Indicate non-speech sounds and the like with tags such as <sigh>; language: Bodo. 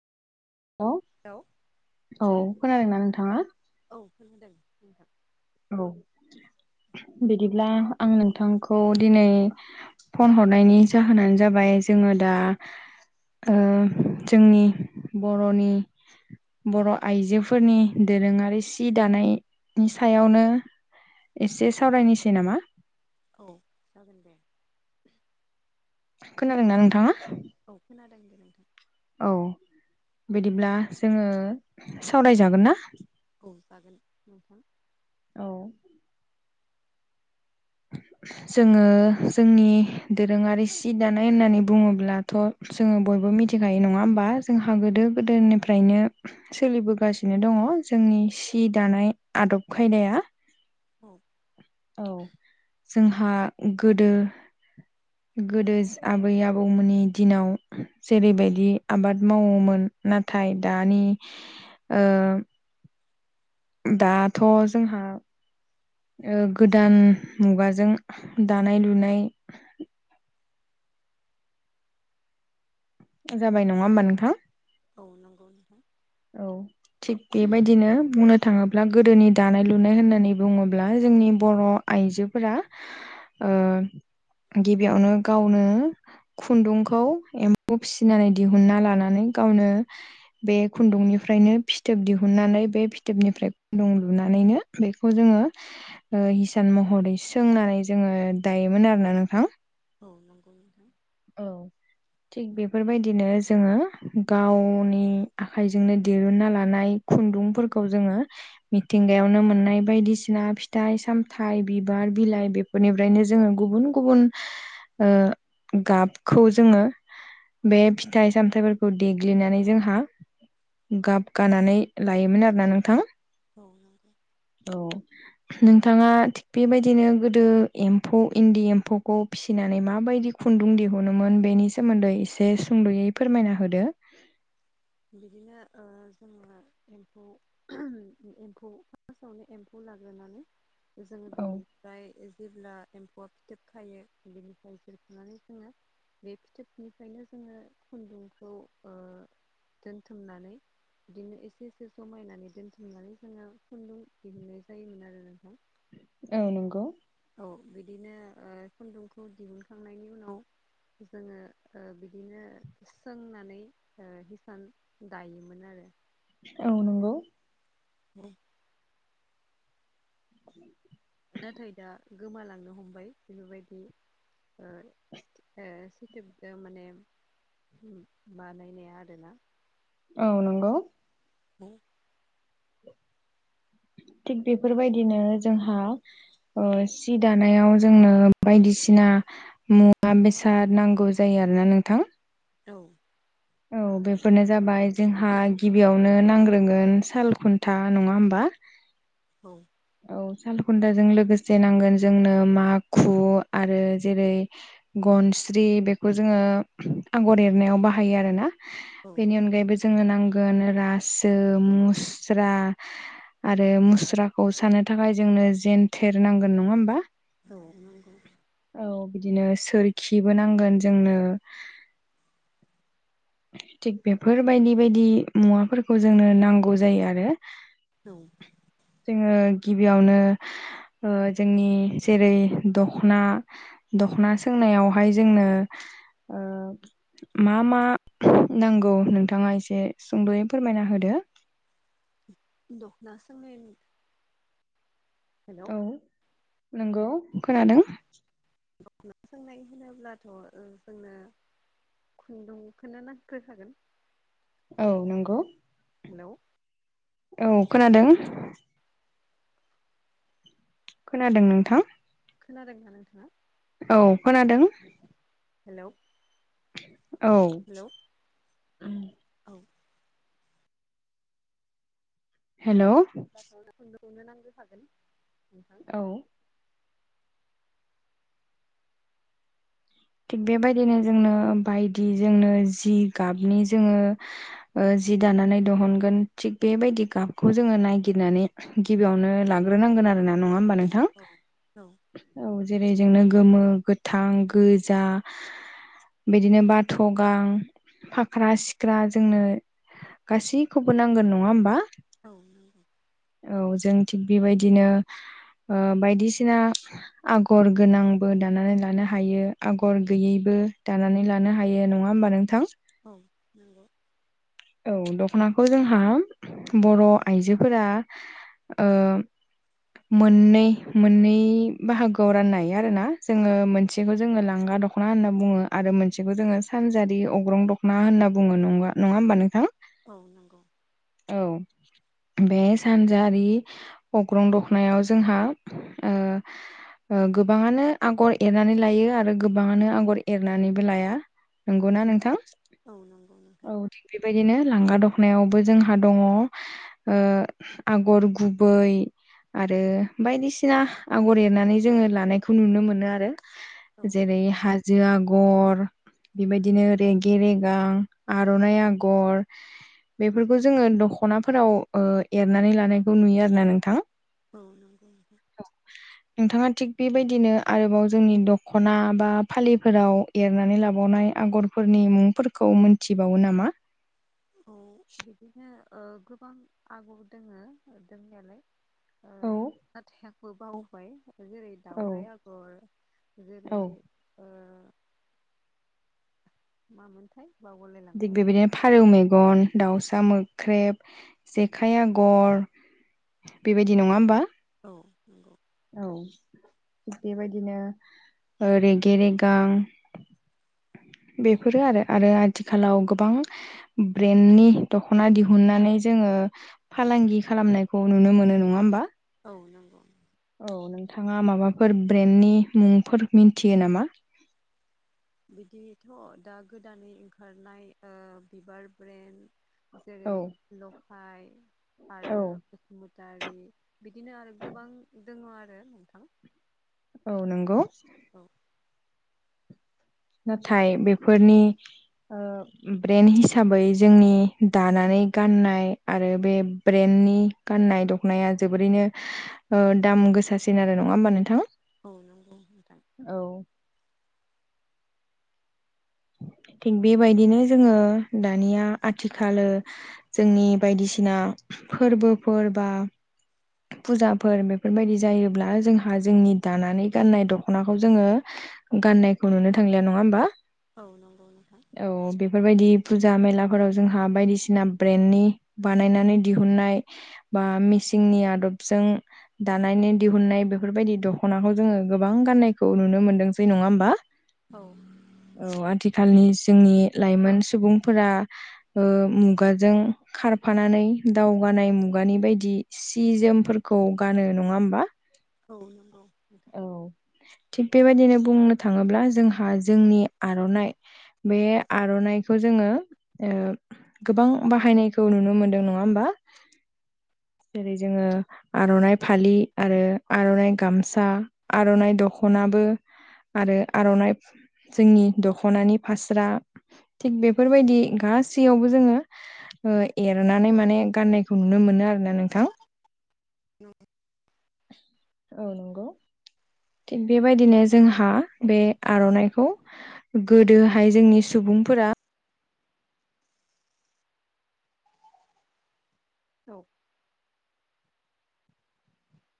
हेल' हेल' औ खोनादोंना नोंथाङा? औ खोनादों नोंथां। औ बिदिब्ला आं नोंथांखौ दिनै फन हरनायनि जाहोनानो जाबाय जोङो दा ओ जोंनि बर'नि बर' आइजोफोरनि दोरोङारि सि दानाय सायावनो एसे सावरायनोसै नामा? औ जागोन दे खोनादोंना नोंथाङा? औ खोनादों दे नोंथां। औ बिदिब्ला जोङो सावरायजागोन ना? औ जागोन नोंथां औ जोङो जोंनि दोरोङारि सि दानाय होननानै बुङोब्लाथ' जोङो बयबो मिथिखायो नङा होमबा जोंहा गोदो गोदायनिफ्रायनो सोलिबोगासिनो दङ जोंनि सि दानाय आदब खायदाया। औ औ जोंहा गोदो गोदो आबै आबौमोननि दिनाव जेरैबायदि आबाद मावोमोन नाथाय दानि ओ दाथ' जोंहा गोदान मुगाजों दानाय लुनाय जाबाय नङा होनोमबा नोंथां? औ नंगौ नोंथां। औ थिग बेबायदिनो बुंनो थाङोब्ला गोदोनि दानाय लुनाय होननानै बुङोब्ला जोंनि बर' आइजोफोरा ओ गिबियावनो गावनो खुन्दुंखौ एम्फौ फिसिनानै दिहुनना लानानै गावनो बे खुन्दुंनिफ्रायनो फिथोब दिहुननानै बे फिथोबनिफ्राय खुन्दुं लुनानैनो बेखौ जोङो ओ हिसान महरै सोंनानै जोङो दायोमोन आरो ना नोंथां। औ नंगौ नोंथां। औ थिग बेफोरबायदिनो जोङो गावनि आखाइजोंनो दिरुनना लानाय खुन्दुंफोरखौ जोङो मिथिंगायावनो मोननाय बायदिसिना फिथाइ सामथायाइ बिबार बिलाइ बेफोर बेनिफ्रायनो जोङो गुबुन गुबुन ओ गाबखौ जोङो बे फिथाइ सामथायफोरखौ देग्लिनानै जोंहा गाब गानानै लायोमोन आरोना नोंथां औ नंगौ औ नोंथाङा थिग बेबायदिनो गोदो एमफौ इनदि एमफौखौ फिसिनानै माबायदि खुनदुं दिहुनोमोन बेनि सोमोनदै एसे सुंद'यै फोरमायना होदो बिदिनो ओ जोङो एमफौ एमफौ फार्स्टआवनो एमफौ लाग्रोनानै जोङो औ बेनि औ ओमफ्राय जेब्ला एमफौआ फिथोब खायो बेनिफ्राय जोरखुनानै जोङो बे फिथोबनिफ्रायनो जोङो खुनदुंखौ ओ दोनथुमनानै बिदिनो एसे एसे समायनानै दोनथुमनानै जोङो खुनदुं दिहुननाय जायोमोन आरो नोंथां औ नंगौ औ बिदिनो खुनदुंखौ दिहुनखांनायनि उनाव जोङो ओ बिदिनो सोंनानै ओ सान दायोमोन आरो औ नंगौ ह <unintelligible> उ <unintelligible> नाथाय दा गोमालांनो हमबाय बेफोरबायदि <unintelligible> सिथुब माने बानायनाया आरोना औ नंगौ हो <unintelligible> थिग बेफोरबायदिनो जोंहा ओ सि दानायाव जोंनो बायदिसिना मुवा बेसाद नांगौ जायो आरोना नोंथां औ औ बेफोरनो जाबाय जोंहा गिबियाव नो नांग्रोगोन साल खुनथा नङा होनबा औ औ साल खुनथाजों लोगोसे नांगोन जोंनो माखु आरो जेरै गनस्रि बेखौ जोङो आगर एरनायाव बाहायो आरोना औ बेनि अनगायैबो जोङो नांगोन रासो मुस्रा आरो मुस्रा औ सानो थाखाय जोंनो जेनथेर नांगोन नङा होमबा औ नंगौ औ बिदिनो सोरखिबो नांगोन जोंनो थिग बेफोरबायदि बायदि मुवाफोरखौ जोंनो नांगौ जायो आरो औ जोङो गिबियावनो जोंनि जेरै दख'ना दखना सोंनायावहाय जोंनो ओ मा मा नांगौ नोंथाङा एसे सुंद'यै फोरमायना होदो दख'ना सोंनायनि हेलौ औ नंगौ खोनादों खा सोंनाय होनोब्लाथ' ओ जोंनो खुनदुंखौनो नांग्रोखागोन औ नंगौ हेलौ। औ खोनादों। खोनादों नोंथां। खोनादोंना नोंथाङा? औ खोनादों। हेलौ। औ। हेलौ औ। हेलौ दा <unintelligible> साननो नांग्रोखागोन नोंथां। औ। थिग बेबायदिनो जोंनो बायदि जोंनो जि गाबनि जोङो जि दानानै दिहुनगोन थिग बेबायदि गाबखौ जोङो नायगिरनानै गिबियावनो लाग्रोनांगोन आरो ना नङा होमबा नोंथां? औ औ। औ जेरै जोंनो गोमो गोथां गोजा। बिदिनो बाथ' गां फाख्रा सिख्रा जोंनो गासैखौबो नांगोन नङा होमबा? औ नंगौ। औ जों थिं बेबायदिनो बायदिसिना आगर गोनांबो दानानै लानो हायो। आगर गैयैबो दानानै लानो हायो नङा होमबा नोंथां? औ। औ दख'नाखौ जोंहा बर' आइजोफोरा मोननै मोननै बाहागोआव राननाय आरो ना जोङो मोनसेखौ जोङो लांगा दख दख'ना होनना बुङो आरो मोनसेखौ जोङो सानजारि अग्रं दख'ना होनना बुङो नङा होमबा नोंथां? औ नंगौ। औ। बे सानजारि अग्रं दखनायाव जोंहा गोबाङानो आगर एरनानै लायो आरो गोबाङानो आगर एरनानैबो लाया‌। नंगौना नोंथां? औ नंगौ नोंथां। औ थिग बेबायदिनो लांगा दखनायावबो जोंहा दङ। ओ आगर गुबै आरो बायदिसिना आगर एरनानै जोङो लानायखौ नुनो मोनो आरो। औ जेरै हाज जो आगर बेबायदिनो रेगे रेगां आर'नाइ आ गर बेफोरखौ जोङो दख'नाफोराव ओ एरनानै लानायखौ नुयो आरो ना नोंथां? औ नंगौ। नोंथाङा थिग बेबायदिनो आरोबाव जोंनि दख'ना बा फालिफोराव एरनानै लाबावनाय आगरफोरनि मुंफोरखौ मोनथिबावो नामा? औ। बिदिनो गोबां आगर दोङो दोंनायालाय। औ हाथाइबो बावबाय जेरै औ दाउराइ आगर जेरै औ ओ मामोनथाय बावलाय दिग बेबायदिनो फारौ मेगन दाउसा मो ख्रेब जेखाइ आगर बेबायदि नङा होमबा? औ नंगौ। औ थि बेबायदिनो रेगे-रेगां बेफोरो आरो आरो आथिखालाव गोबां। ब्रेन्डनि दख'ना दिहुननानै जोङो। फालांगि खालामनायखौ नुनो मोनो नङा होमबा? औ नंगौ। औ नोंथाङा माबाफोर ब्रेन्डनि मुंफोर मिन्थियो नामा? बिदिथ' दा गोदानै ओंखारनाय बिबार ब्रेन्ड। जेरै औ लफाय औ आरो बसुमुतारि बिदिनो आरो गोबां दङ आरो नोंथां। औ नंगौ। औ। नाथाय बेफोरनि ब्रेन् हिसाबै जोंनि दानानै गाननाय आरो बे ब्रेन्डनि गाननाय दखनाया जोबोरैनो दाम गोसासिन आरो नङा होमबा नोंथाङा? औ नंगौ नोंथां। औ। थिग बे बायदिनो जोङो दानिया आथिखाल जोंनि बायदिसिना फोरबोफोर बा फुजाफोर बेफोर बायदि जायोब्ला जोंहा जोंनि दानानै गाननाय दख'नाखौ जोङो। गाननायखौ नुनो थांलिया नङा होमबा? औ नंगौ नोंथां। औ बेफोर बायदि फुजा मेलाफोराव जोंहा बायदिसिना ब्रेन्डनि बानायनानै दिहुननाय बा मिसिंनि आदबजों दानायनि दिहुननाय बेफोरबायदि दख'नाखौ जोङो गोबां गाननायखौ नुनो मोनदोंसै नङा होमबा? औ। ओ औ आथिखालनि जोंनि लाइमोन सुबुंफोरा ओ मुगाजों खारफानानै दावगानाय मुगानि बायदि सि जोमफोरखौ गानो नङा होमबा? औ नंगौ नोंथां औ थिग बेबायदिनो बुंनो थाङोब्ला जोंहा जोंनि आर'नाइ बे आर'नाइखौ जोङो ओ गोबां बाहायनायखौ नुनो मोनदों नङा होमबा? जेरै जोङो आर'नाइ फालि आरो आर'नाइ गामसा फसा आर'ननाय दख'नाबो आरो आर'नाइ जोंनि दख'नानि फास्रा थिग बेफोर बायदि गासैयावबो जोङो एरनानै माने गाननायखौ नुनो मोनो आरो ना नोंथां। औ। औ नंगौ। थिग बे बायदिनो जोंहा बे आर'नाइखौ गोदोहाय जोंनि सुबुंफोरा औ।